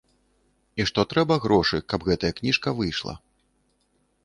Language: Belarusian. І што трэба грошы, каб гэтая кніжка выйшла.